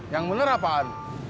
yang bener apaan